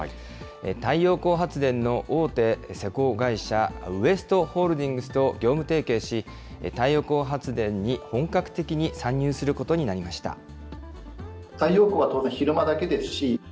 太陽光発電の大手施工会社、ウエストホールディングスと業務提携し、太陽光発電に本格的に参入することになりました。